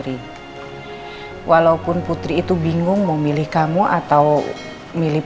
rizky apa kamu tetap cinta sama putri